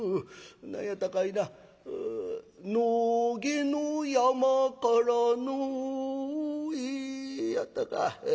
何やったかいな野毛の山からノーエやったか。